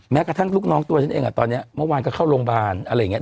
กระทั่งลูกน้องตัวฉันเองตอนนี้เมื่อวานก็เข้าโรงพยาบาลอะไรอย่างนี้